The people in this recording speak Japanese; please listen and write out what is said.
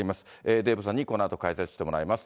デーブさんにこのあと解説してもらいます。